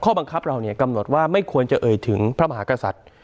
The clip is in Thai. บังคับเรากำหนดว่าไม่ควรจะเอ่ยถึงพระมหากษัตริย์